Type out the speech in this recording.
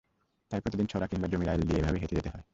তাই প্রতিদিন ছড়া কিংবা জমির আইল দিয়ে এভাবেই হেঁটে যেতে হয়।